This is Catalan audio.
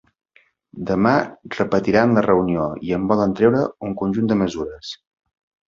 Demà repetiran la reunió i en volen treure un conjunt de mesures.